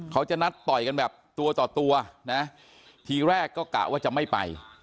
เขาจะนัดต่อยกันแบบตัวต่อตัวนะทีแรกก็กะว่าจะไม่ไป